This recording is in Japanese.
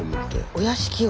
お屋敷を。